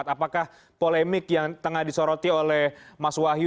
apakah polemik yang tengah disoroti oleh mas wahyu